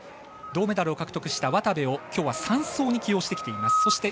銅メダルを獲得した渡部をきょうは３走に起用してきています。